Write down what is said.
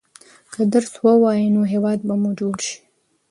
که درس ووايئ نو هېواد به مو جوړ شي.